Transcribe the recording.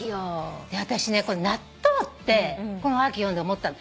私納豆ってこのおはがき読んで思ったの。